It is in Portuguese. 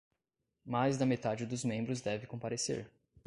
Mais da metade dos membros deve comparecer